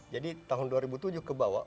jadi tahun dua ribu tujuh kebawah